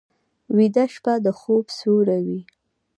ویده شپه د خوب سیوری وي